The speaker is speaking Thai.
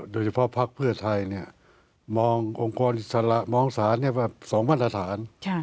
พักเพื่อไทยมององค์กรอิสระมองศาล๒มาตรฐาน